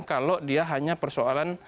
kalau dia hanya persoalan